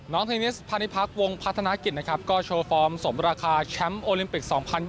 เทนนิสพาณิพักษ์วงพัฒนากิจนะครับก็โชว์ฟอร์มสมราคาแชมป์โอลิมปิก๒๐๒๐